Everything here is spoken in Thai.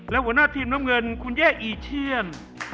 และหัวหน้าทีมน้ำเงินคุณเย่อีเชียน